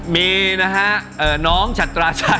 มีนะฮะน้องฉัตราชา